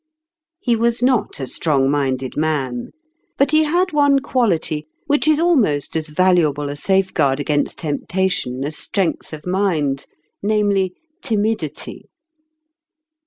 He was not a strong minded man ; but he had one quality which is almost as valuable a safeguard against temptation as strength of mind namely, timidity.